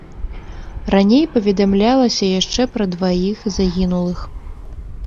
Раней паведамлялася яшчэ пра дваіх загінулых.